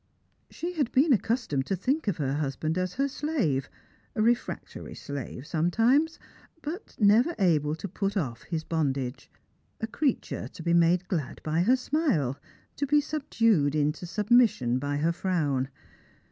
She had been accustomed to think of her husband as her slave— a refractory slave sometimes — but never able to put off his bondage; a creature to be made glad by her smile; to be subdued into submission by her frown.